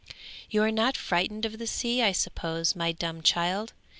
'You are not frightened of the sea, I suppose, my dumb child?'